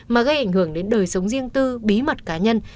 mà gây ảnh hưởng đến đời sống riêng tư bí mật cá nhân